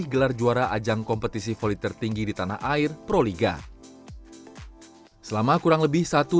tanpa ada passing tanpa ada set